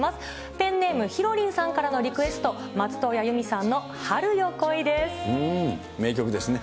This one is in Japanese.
ペンネームひろりんさんからのリクエスト、名曲ですね。